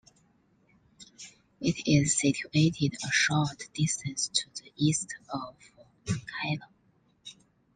It is situated a short distance to the east of Kelloe.